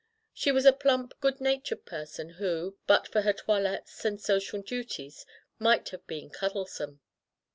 She was a plump, good natured person who, but for her toilettes and social duties, might have been cuddlesome.